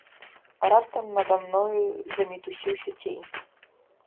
Раптам нада мною замітусіўся цень.